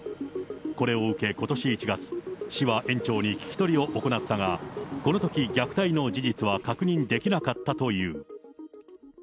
これを受け、ことし１月、市は園長に聞き取りを行ったが、このとき、虐待の事実は確認できなかったという。